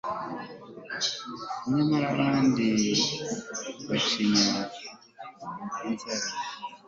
nyamara abandi bicinya icyara